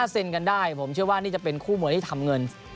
เซนกันได้ผมเชื่อว่านี่จะเป็นคู่มวยที่ทำเงิน